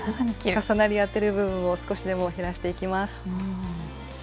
重なり合ってる部分を少しでも減らしていきます。